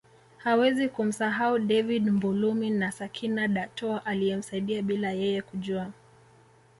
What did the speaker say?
Hawezi kumsahau David Mbulumi na Sakina Datoo aliyemsaidia bila yeye kujua